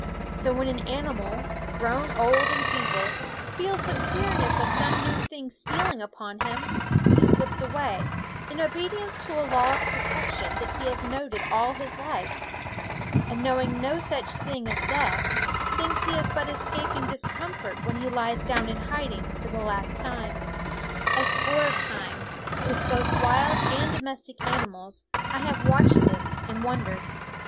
So when an animal, grown old and feeble, feels the queerness of some new thing stealing upon him he slips away, in obedi ence to a law of protection that he has noted all his life, and, knowing no such thing as death, thinks he is but escaping discomfort when he lies down in hiding for the last time. A score of times, with both wild and domestic animals, I have watched this and wondered.